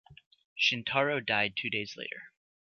Shintaro died two days later.